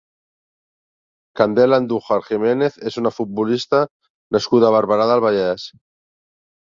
Candela Andújar Jiménez és una futbolista nascuda a Barberà del Vallès.